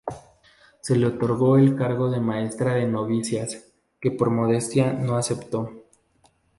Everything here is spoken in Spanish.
Se le otorgó el cargo de maestra de novicias, que por modestia no aceptó.